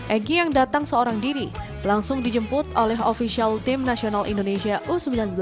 egy yang datang seorang diri langsung dijemput oleh ofisial tim nasional indonesia u sembilan belas